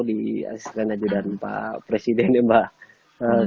di asisten dan pak presiden ya bang